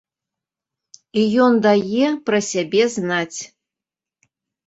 І ён дае пра сябе знаць.